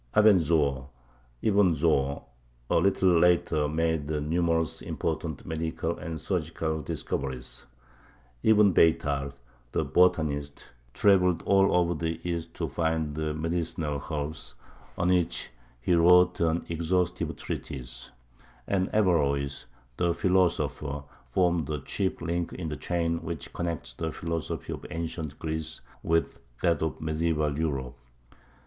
Avenzoar (Ibn Zohr) a little later made numerous important medical and surgical discoveries. Ibn Beytar, the botanist, travelled all over the East to find medicinal herbs, on which he wrote an exhaustive treatise; and Averroes, the philosopher, formed the chief link in the chain which connects the philosophy of ancient Greece with that of mediæval Europe.